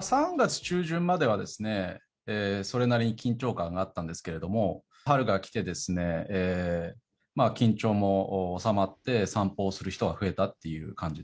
３月中旬までは、それなりに緊張感があったんですけれども、春が来てですね、緊張も収まって、散歩をする人が増えたっていう感